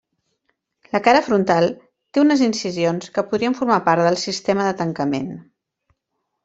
La cara frontal té unes incisions que podrien formar part del sistema de tancament.